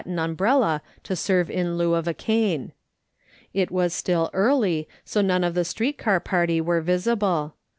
SOL OMON SMI TH L OKING ON umbrella to serve in lieu of a cane. It was still early, so none of the street car party were visible.